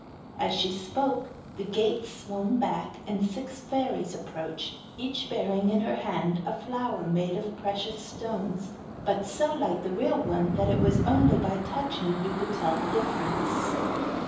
As she spoke the gates swung back and six fairies approached, each bearing in her hand a flower made of precious stones, but so like a real one that it was only by touching you could tell the difference.